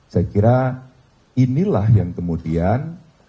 saya kira inilah yang kemudian